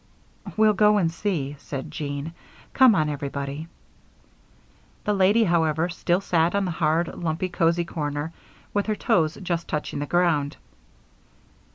"We'll go and see," said Jean. "Come on, everybody." The lady, however, still sat on the hard, lumpy cozy corner, with her toes just touching the ground.